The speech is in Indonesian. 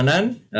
pak menteri ada